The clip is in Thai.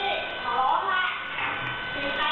ก่อนพูดวัดเล่มก็